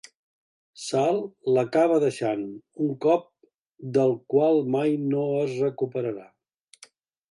Sal l'acaba deixant, un cop del qual mai no es recuperarà.